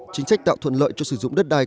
chính sách tạo thuận lợi cho sử dụng đất đai